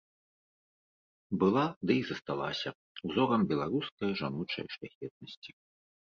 Была, ды і засталася, узорам беларускае жаночае шляхетнасці.